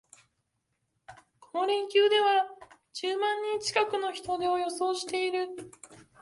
この連休では十万人近くの人出を予想している